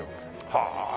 はあ。